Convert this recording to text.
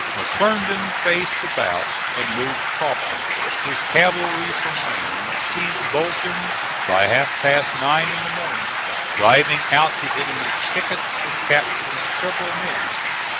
McClernand faced about and moved promptly. His cavalry from Raymond seized Bolton by half past nine in the morning, driving out the enemy's pickets and capturing several men.